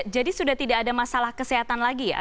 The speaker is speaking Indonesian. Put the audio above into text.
jadi sudah tidak ada masalah kesehatan lagi ya